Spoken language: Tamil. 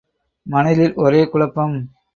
மனதில் ஒரே குழப்பம்.